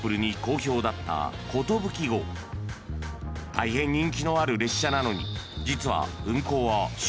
［大変人気のある列車なのに実は］